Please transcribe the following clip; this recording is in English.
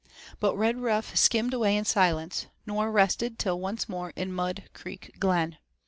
But Redruff skimmed away in silence, nor rested till once more in Mud Creek Glen.